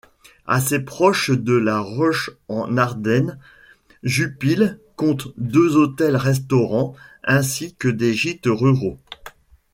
Assez proche de La Roche-en-Ardenne, Jupille compte deux hôtels-restaurants ainsi que des gîtes ruraux.